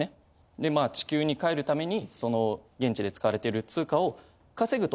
でまあ地球に帰るためにその現地で使われてる通貨を稼ぐと。